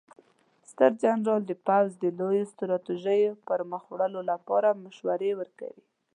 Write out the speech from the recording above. ستر جنرال د پوځ د لویو ستراتیژیو د پرمخ وړلو لپاره مشورې ورکوي.